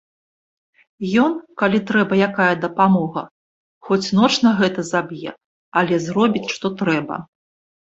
Ён, калі трэба якая дапамога, хоць ноч на гэта заб'е, але зробіць, што трэба.